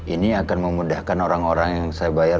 ini akan memudahkan orang orang yang saya bayar